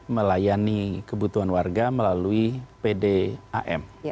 melayani kebutuhan warga melalui pdam